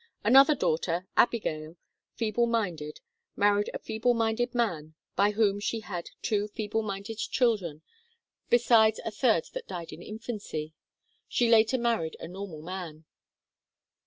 Another daughter, Abigail, feeble minded, married a feeble minded man by whom she had two feeble THE DATA 29 minded children, besides a third that died in infancy. She later married a normal man.